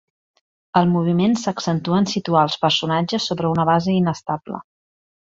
El moviment s'accentua en situar els personatges sobre una base inestable.